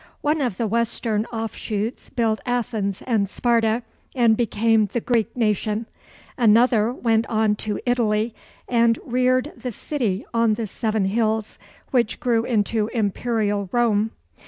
One of the western offshoots built Athens and Sparta, and became the Greek nation; another went on to Italy, and reared the city on the Seven Hills, which grew into Imperial Rome.